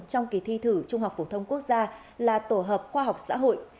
trong kỳ thi thử trung học phổ thông quốc gia là tổ hợp khoa học xã hội